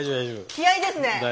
気合いですね。